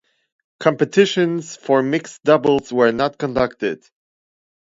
Competitions for mixed doubles were not conducted.